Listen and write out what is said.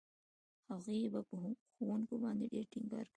هغې به په ښوونکو باندې ډېر ټينګار کاوه.